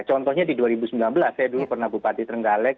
contohnya di dua ribu sembilan belas saya dulu pernah bupati trenggalek